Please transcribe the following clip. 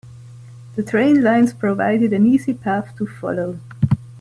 The train lines provided an easy path to follow.